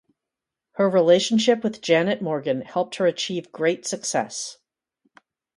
Her relationship with Janet Morgan helped her achieve great success.